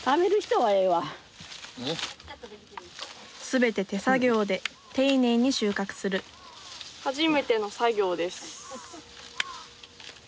全て手作業で丁寧に収穫する初めての作業です。